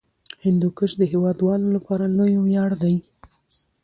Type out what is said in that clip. هندوکش د هیوادوالو لپاره لوی ویاړ دی.